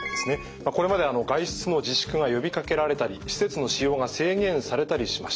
これまでは外出の自粛が呼びかけられたり施設の使用が制限されたりしました。